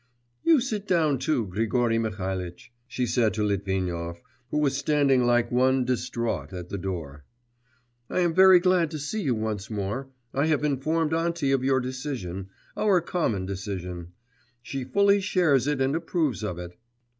'You sit down too, Grigory Mihalitch,' she said to Litvinov, who was standing like one distraught at the door. 'I am very glad to see you once more. I have informed auntie of your decision, our common decision; she fully shares it and approves of it....